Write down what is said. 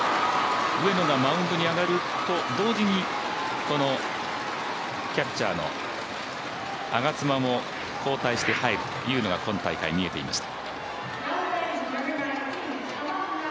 上野がマウンドに上がると同時にこのキャッチャーの我妻も交代して入るというのが今大会、見えていました。